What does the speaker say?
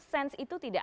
sense itu tidak